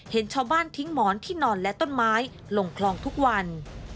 เห็นชาวบ้านทิ้งหมอนที่นอนและต้นไม้ลงคลองทุกวัน